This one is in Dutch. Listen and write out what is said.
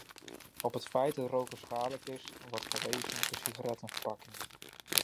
Op het feit dat roken schadelijk is, wordt gewezen op de sigarettenverpakkingen.